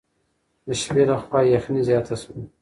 د شپې له خوا یخني زیاته شوه.